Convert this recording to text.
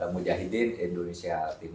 mujahidin indonesia timur